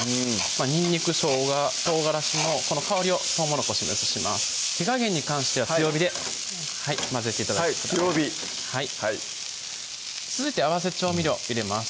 にんにく・しょうが・唐辛子のこの香りをとうもろこしに移します火加減に関しては強火で混ぜて頂けたら強火はい続いて合わせ調味料入れます